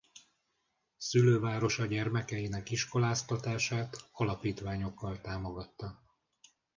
Szülővárosa gyermekeinek iskoláztatását alapítványokkal támogatta.